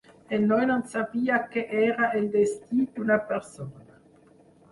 El noi no sabia què era el "destí" d'una persona.